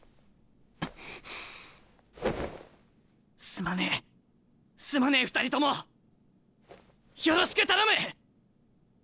すまねえすまねえ２人とも！よろしく頼む！